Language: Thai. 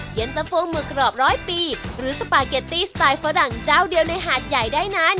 เย็นตะโพหมึกกรอบร้อยปีหรือสปาเกตตี้สไตล์ฝรั่งเจ้าเดียวในหาดใหญ่ได้นั้น